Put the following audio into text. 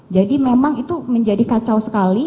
jadi memang itu menjadi kacau sekali